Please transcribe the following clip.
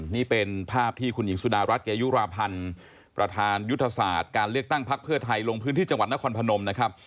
นี่เป็นภาพที่คุณหญิงสุดารัฐเกยุราพันธ์ประธานยุทธศาสตร์การเลือกตั้งพักเพื่อไทยลงพื้นที่จังหวัดนครพนมนะครับ